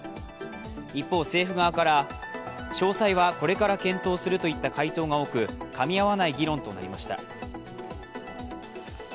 一方、政府側から、詳細はこれから検討するといった回答が多く、かみ合わない議論となりました。